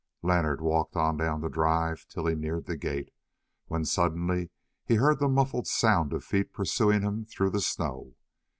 Leonard walked on down the drive till he neared the gate, when suddenly he heard the muffled sound of feet pursuing him through the snow.